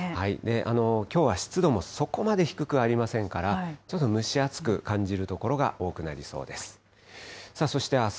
きょうは湿度もそこまで低くありませんから、ちょっと蒸し暑く感じる所が多くなりそうです。